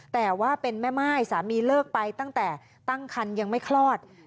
แต่ว่าเป็นแม่ม่ายสามีเลิกไปตั้งแต่ตั้งคันยังไม่คลอด